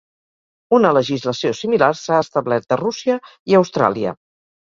Una legislació similar s'ha establert a Rússia i Austràlia.